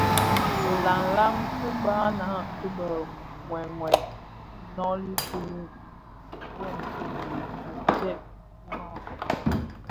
Nlanlan tibaňa ti bë wewel inoli ki womzi më ntsee kurak.